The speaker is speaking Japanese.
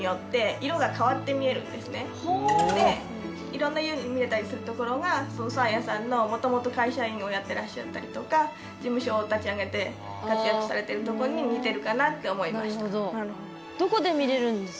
いろんな色に見えたりするところがサーヤさんのもともと会社員をやってらっしゃったりとか事務所を立ち上げて活躍されてるとこに似てるかなって思いました。